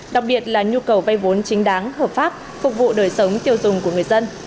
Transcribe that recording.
đặc biệt là nhu cầu vay vốn chính đáng hợp pháp phục vụ đời sống tiêu dùng của người dân